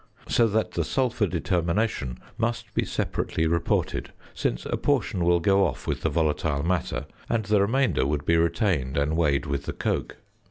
So that the sulphur determination must be separately reported, since a portion will go off with the volatile matter, and the remainder would be retained and weighed with the coke.